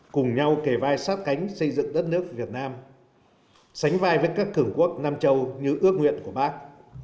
cùng nhau kề vai sát cánh xây dựng đất nước việt nam sánh vai với các cường quốc nam châu như ước nguyện của bác